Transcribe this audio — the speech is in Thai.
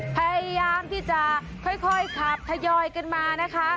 พยายามที่จะค่อยขับทยอยกันมานะคะ